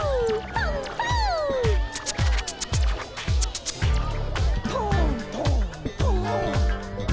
トントントントトントン。